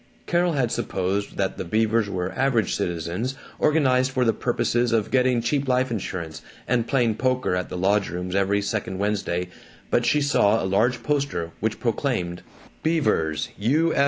Carol had supposed that the Beavers were average citizens organized for the purposes of getting cheap life insurance and playing poker at the lodge rooms every second Wednesday, but she saw a large poster which proclaimed: BEAVERS U.